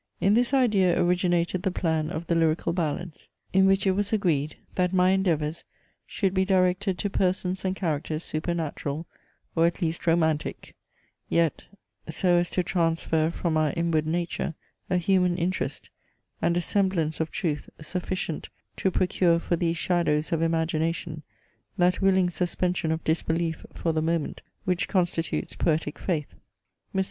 In this idea originated the plan of the LYRICAL BALLADS; in which it was agreed, that my endeavours should be directed to persons and characters supernatural, or at least romantic; yet so as to transfer from our inward nature a human interest and a semblance of truth sufficient to procure for these shadows of imagination that willing suspension of disbelief for the moment, which constitutes poetic faith. Mr.